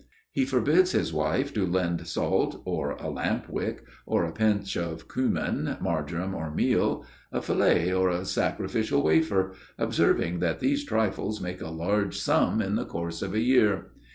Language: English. He forbids his wife to lend salt or a lamp wick or a pinch of cummin, marjoram, or meal, a fillet or a sacrificial wafer, observing that these trifles make a large sum in the course of a year.